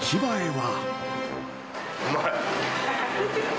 うまい。